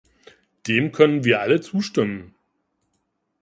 Dem können wir alle zustimmen.